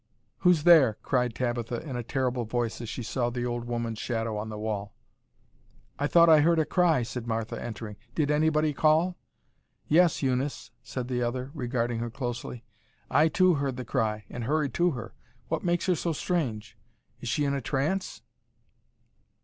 "Who's there?" cried Tabitha in a terrible voice as she saw the old woman's shadow on the wall. "I thought I heard a cry," said Martha, entering. "Did anybody call?" "Yes, Eunice," said the other, regarding her closely. "I, too, heard the cry, and hurried to her. What makes her so strange? Is she in a trance?"